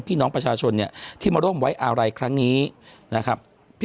พี่น้องประชาชนเนี่ยที่มาร่วมไว้อาลัยครั้งนี้นะครับพี่